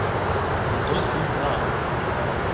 — Бо то суть нави.